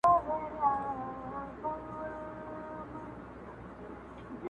د ښايسته ساقي په لاس به جام گلنار وو.!